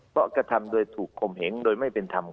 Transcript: ก็กระทำเลยถูกคงเหงโดยไม่เป็นทำ